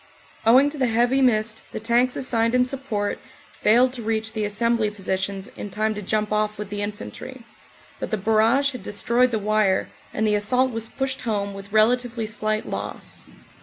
Owing to the heavy mist the tanks assigned in support failed to reach the assembly positions in time to jump off with the infantry, but the barrage had destroyed the wire and the assault was pushed home with relatively slight loss.